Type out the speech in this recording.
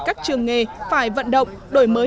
các trường nghề phải vận động đổi mới